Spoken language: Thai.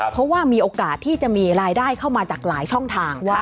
เพราะว่ามีโอกาสที่จะมีรายได้เข้ามาจากหลายช่องทาง